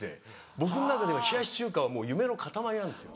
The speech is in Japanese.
僕の中では冷やし中華はもう夢のかたまりなんですよ。